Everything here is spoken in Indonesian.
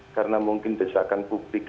karena mungkin besarkan publik